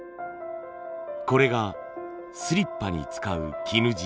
これがスリッパに使う絹地。